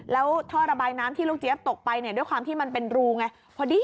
แล้วท่อระบายน้ำที่ลูกเจี๊ยบตกไปเนี่ยด้วยความที่มันเป็นรูไง